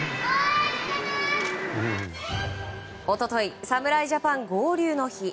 一昨日侍ジャパン合流の日。